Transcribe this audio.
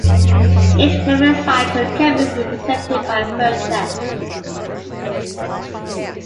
Each flavor cycle can be represented by a vertex.